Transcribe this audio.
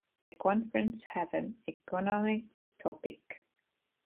The conference had a economic topic.